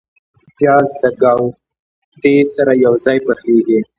پیاز د ګاوتې سره یو ځای پخیږي